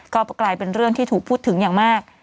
ก็กลายเป็นเรื่องที่ถูกพูดถึงอย่างมาก